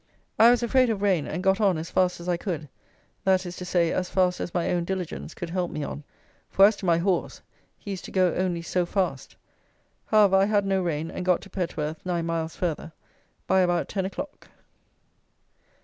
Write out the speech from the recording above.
I was afraid of rain, and got on as fast as I could: that is to say, as fast as my own diligence could help me on; for, as to my horse, he is to go only so fast. However, I had no rain; and got to Petworth, nine miles further, by about ten o'clock.